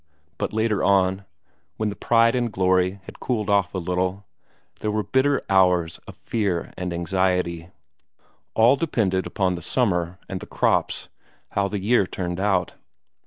But later on, when the pride and glory had cooled off a little, there were bitter hours of fear and anxiety; all depended on the summer and the crops; how the year turned out.